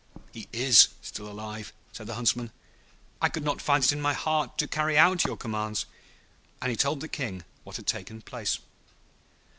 'He is still alive,' said the Huntsman. 'I could not find it in my heart to carry out your commands,' and he told the King what had taken place.